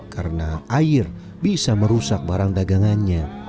karena air bisa merusak barang dagangannya